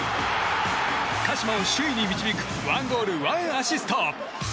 鹿島を首位に導く１ゴール１アシスト！